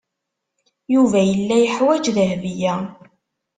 Yuba yella yeḥwaj Dahbiya.